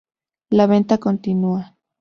La venta continúa!